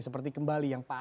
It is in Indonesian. seperti kembali yang paling